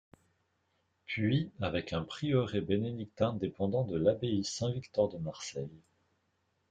Puis, avec un prieuré bénédictin dépendant de l'abbaye Saint-Victor de Marseille.